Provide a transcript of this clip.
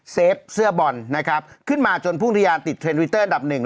เฟฟเสื้อบอลนะครับขึ้นมาจนพุ่งทะยาติดเทรนวิตเตอร์อันดับหนึ่ง